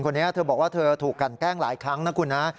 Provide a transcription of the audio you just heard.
คนนี้เธอบอกว่าเธอถูกกันแกล้งหลายครั้งนะคุณนะ